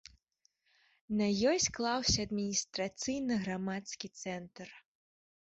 На ёй склаўся адміністрацыйна-грамадскі цэнтр.